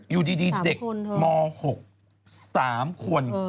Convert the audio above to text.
อยู่ดีเด็กม๖๓คน